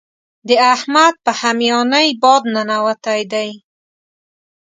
د احمد په هميانۍ باد ننوتی دی.